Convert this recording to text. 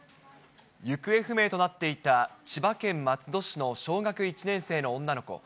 行方不明となっていた千葉県松戸市の小学１年生の女の子。